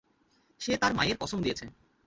সে তার মায়ের কসম দিয়েছে।